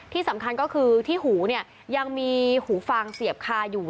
ที่สำคัญก็คือที่หูเนี่ยยังมีหูฟางเสียบคาอยู่